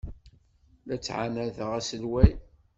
La ttɛanadeɣ aselway.